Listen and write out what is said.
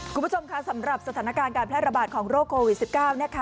คุณผู้ชมค่ะสำหรับสถานการณ์การแพร่ระบาดของโรคโควิด๑๙นะคะ